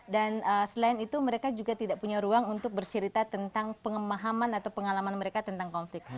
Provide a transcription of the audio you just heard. dan selain itu mereka juga tidak punya ruang untuk berserita tentang pengalaman mereka tentang konflik